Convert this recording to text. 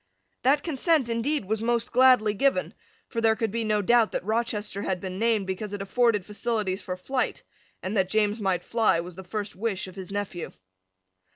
That consent, indeed, was most gladly given: for there could be no doubt that Rochester had been named because it afforded facilities for flight; and that James might fly was the first wish of his nephew.